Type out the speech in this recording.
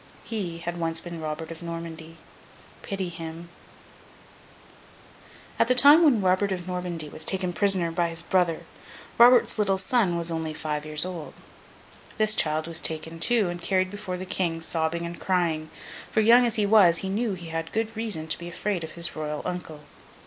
He had once been Robert of Normandy. Pity him! [Illustration: Duke Robert of Normandy] At the time when Robert of Normandy was taken prisoner by his brother, Robert's little son was only five years old. This child was taken, too, and carried before the King, sobbing and crying; for, young as he was, he knew he had good reason to be afraid of his Royal uncle.